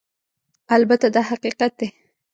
البته دا حقیقت دی